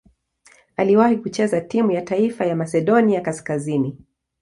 Aliwahi kucheza timu ya taifa ya Masedonia Kaskazini.